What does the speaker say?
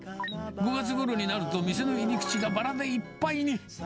５月ごろになると、店の入り口がバラでいっぱいに。